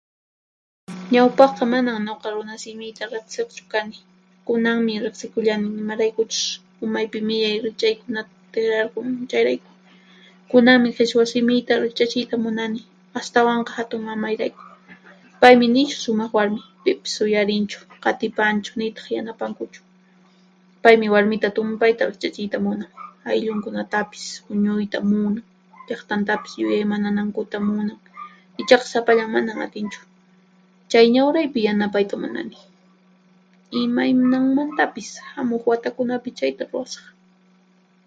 Ñawpaqqa manan nuqa runasimiyta riqsiqchu kani; kunanmi riqsikullanin imaraykuchus umaypi millay riqch'aykuna tiqrarqun, chayrayku. Kunanmi qhishwa simiyta riqch'achiyta munani, astawanqa hatunmamayrayku. Paymi nishu sumaq warmi, pipis uyarinchu, qatipanchu nitaq yanapankuchu. Paymi warmita tumpayta riqch'achiyta munan, ayllukunatapis huñuyta munan, llaqtantapis yuyaymananankuta munan, ichaqa sapallan manan atinchu. Chay ñawraypi yanapayta munani, imaynanmantapis hamuq watakunapi chayta ruwasaq.